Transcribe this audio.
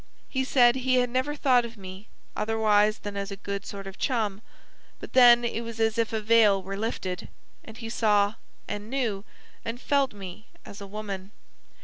He said he had never thought of me otherwise than as a good sort of chum; but then it was as if a veil were lifted, and he saw, and knew, and felt me as a woman.